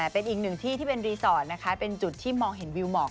เป็นอีกหนึ่งที่ที่เป็นรีสอร์ทนะคะเป็นจุดที่มองเห็นวิวหมอก